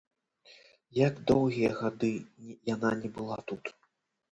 Як доўгія гады яна не была тут!